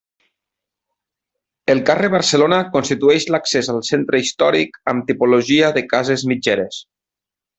El carrer Barcelona constitueix l'accés al centre històric amb tipologia de cases mitgeres.